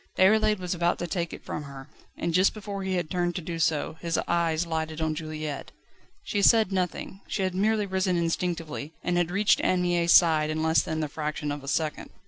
Déroulède was about to take it from her, and just before he had turned to do so, his eyes lighted on Juliette. She said nothing, she had merely risen instinctively, and had reached Anne Mie's side in less than the fraction of a second.